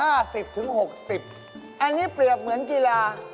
อันนี้เปรียบเหมือนกีฬา